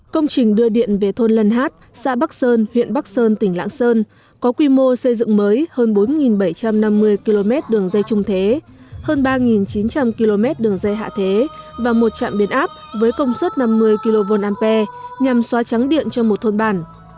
công trình đưa điện về thôn lân hát xã bắc sơn huyện bắc sơn tỉnh lạng sơn có quy mô xây dựng mới hơn bốn bảy trăm năm mươi km đường dây trung thế hơn ba chín trăm linh km đường dây hạ thế và một trạm biến áp với công suất năm mươi kva nhằm xóa trắng điện cho một thôn bản